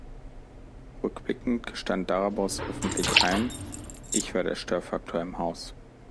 Rückblickend gestand Darabos öffentlich ein: „Ich war der Störfaktor im Haus“.